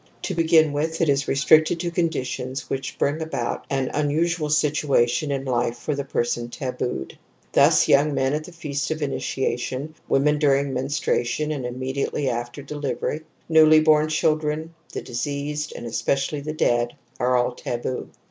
To begin with it is restricted to conditions which bring about an unusual situation in life for the person tabooed. Thus young men at the feast of initiation, women during menstruation and immediately after delivery, newly born children, the deceased and especially the dead, are all taboo.